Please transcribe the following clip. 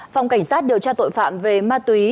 phòng cảnh sát điều tra tội phạm về ma túy